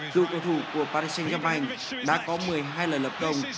thủ cầu thủ của paris saint germain đã có một mươi hai lần lập công